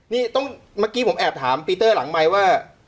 นี่ต้องเมื่อกี้ผมแอบถามปีเตอร์หลังไมค์ว่า